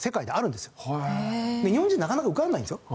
日本人なかなか受からないんですよ。